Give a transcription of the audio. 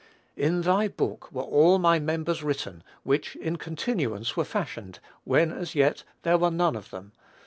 "In thy book were all my members written, which in continuance were fashioned, when as yet there were none of them."